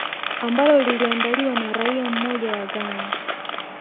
ambalo liliandaliwa na raia mmoja wa ghana